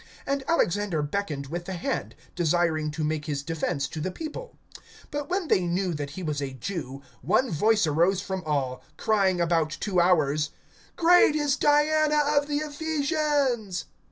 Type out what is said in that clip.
And Alexander beckoned with the hand, desiring to make his defense to the people. (34)But when they knew that he was a Jew, one voice arose from all, crying about two hours: Great is Diana of the Ephesians.